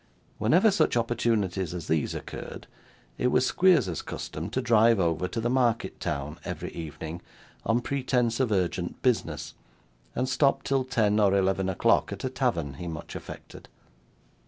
Whenever such opportunities as these occurred, it was Squeers's custom to drive over to the market town, every evening, on pretence of urgent business, and stop till ten or eleven o'clock at a tavern he much affected.